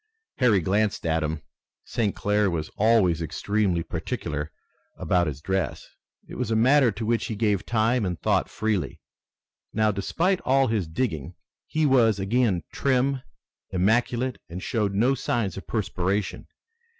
Harry glanced at him. St. Clair was always extremely particular about his dress. It was a matter to which he gave time and thought freely. Now, despite all his digging, he was again trim, immaculate, and showed no signs of perspiration.